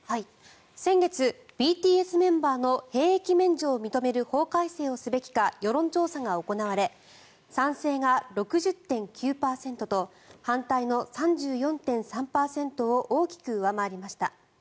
先月、ＢＴＳメンバーの兵役免除を認める法改正をすべきか世論調査が行われ賛成が６０．９％と反対の３４．３％を大きく上回りました。